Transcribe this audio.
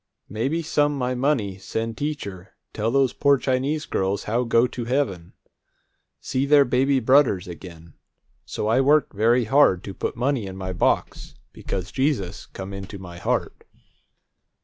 Maybe some my money send teacher tell those poor Chinese girls how go to heaven, see their baby brudders again. So I work very hard to put money in my box, because Jesus come into my heart."